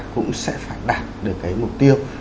cũng sẽ phải đạt được cái mục tiêu